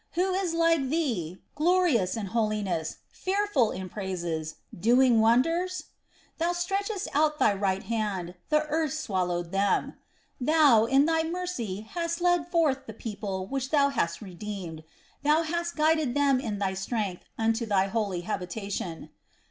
Who is like thee, glorious in holiness, fearful in praises, doing wonders? "Thou stretchedst out thy right hand, the earth swallowed them. "Thou, in thy mercy hast led forth the people which thou hast redeemed: thou hast guided them in thy strength unto thy holy habitation."